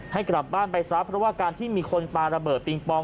ให้กลับบ้านไปซะเพราะว่าการที่มีคนปลาระเบิดปิงปอง